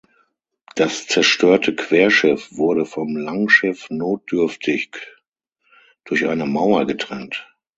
Das zerstörte Querschiff wurde vom Langschiff notdürftig durch eine Mauer getrennt.